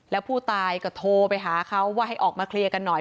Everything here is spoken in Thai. แล้วผู้ตายก็โทรไปหาเขาว่าให้ออกมาเคลียร์กันหน่อย